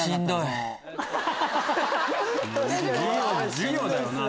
授業だよな。